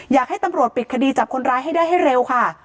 อยากให้ตำรวจปิดคดีจับคนร้ายให้ได้ให้เร็วค่ะ